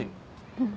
うん。